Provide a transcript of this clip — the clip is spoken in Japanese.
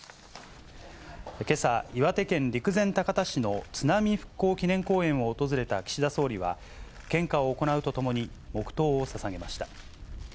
けさ、岩手県陸前高田市の津波復興祈念公園を訪れた岸田総理は、献花を行うとともに、黙とうをささげました。